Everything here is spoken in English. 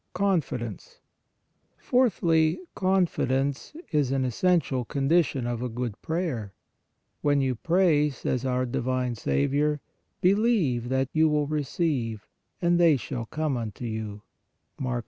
CONFIDENCE. Fourthly, confidence is an es sential condition of a good prayer. When you pray, says our divine Saviour, " believe that you will receive, and they shall come unto you" (Mark ii.